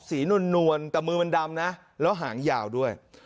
นวลแต่มือมันดำนะแล้วหางยาวด้วย